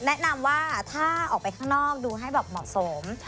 แนะนำว่าถ้าออกไปข้างนอกดูให้แบบเหมาะสม